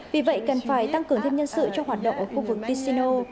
vì vậy cần phải tăng cường thêm nhân sự cho hoạt động ở khu vực tisino